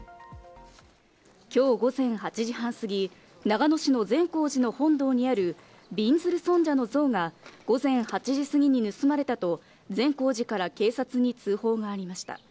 今日午前８時半過ぎ、長野市の善光寺の本堂にある、びんずる尊者の像が午前８時過ぎに盗まれたと善光寺から警察に通報がありました。